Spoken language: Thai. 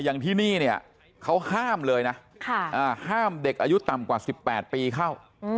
อย่างที่นี่เนี่ยเขาห้ามเลยนะห้ามเด็กอายุต่ำกว่า๑๘ปีเข้า